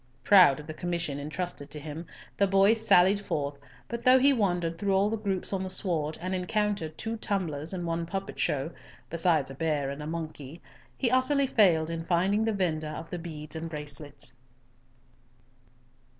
Proud of the commission entrusted to him, the boy sallied forth, but though he wandered through all the groups on the sward, and encountered two tumblers and one puppet show, besides a bear and monkey, he utterly failed in finding the vendor of the beads and bracelets.